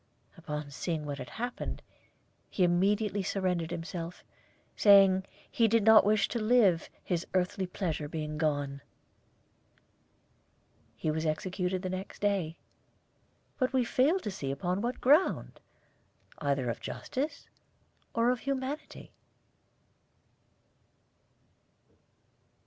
Upon seeing what had happened, he immediately surrendered himself, saying he did not wish to live, his earthly pleasure being gone. He was executed the next day, but we fail to perceive on what ground, either of justice or of humanity.